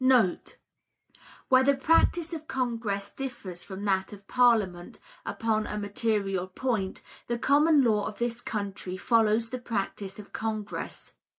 * [Where the practice of Congress differs from that of Parliament upon a material point, the common law of this country follows the practice of Congress.